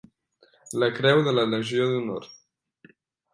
La creu de la Legió d'Honor.